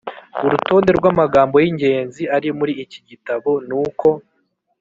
urutonde rwʼamagambo yʼingenzi ari muri iki gitabo nʼuko